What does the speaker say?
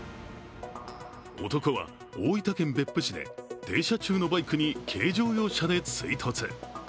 男は大分県別府市で停車中のバイクに軽乗用車で追突。